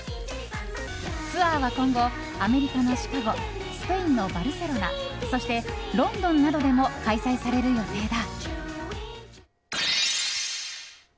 ツアーは今後アメリカのシカゴスペインのバルセロナそしてロンドンなどでも開催される予定だ。